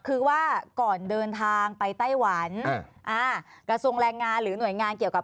คือว่าก่อนเดินทางไปไต้หวันอ่ากระทรวงแรงงานหรือหน่วยงานเกี่ยวกับ